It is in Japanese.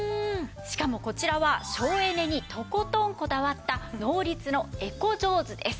しかもこちらは省エネにとことんこだわったノーリツのエコジョーズです。